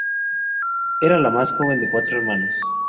Era la más joven de cuatro hermanos.